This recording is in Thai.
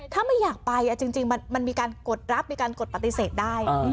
ถ้าไม่อยากไปจริงมันมีการกดรับมีการกดปฏิเสธได้